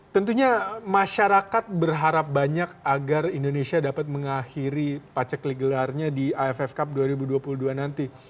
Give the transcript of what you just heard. tentunya masyarakat berharap banyak agar indonesia dapat mengakhiri paceklik gelarnya di aff cup dua ribu dua puluh dua nanti